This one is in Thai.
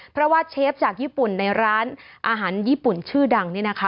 เพราะว่าเชฟจากญี่ปุ่นในร้านอาหารญี่ปุ่นชื่อดังเนี่ยนะคะ